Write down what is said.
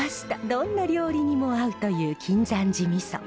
どんな料理にも合うという径山寺みそ。